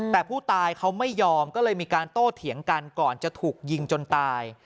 แต่ผู้ตายเขาไม่ยอมก็เลยมีการโต้เถียงกันก่อนจะถูกยิงจนตาย